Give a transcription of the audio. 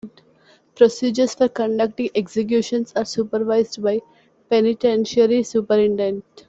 Procedures for conducting executions are supervised by the Penitentiary Superintendent.